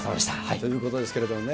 ということですけれどもね。